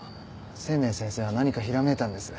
清明先生は何かひらめいたんです。